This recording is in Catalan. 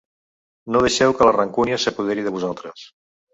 No deixeu que la rancúnia s’apoderi de vosaltres.